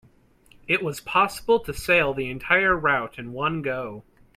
It was possible to sail the entire route in one go.